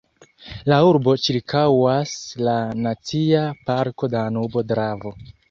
La urbon ĉirkaŭas la Nacia parko Danubo–Dravo.